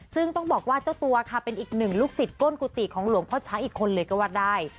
ซึ่งต้องบอกว่าเจ้าตัวค่ะเป็นอีกหนึ่งลูกศิษย์ก้นกุฏิของหลวงพ่อช้างอีกคนเลยก็ว่าได้